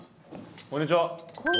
こんにちは。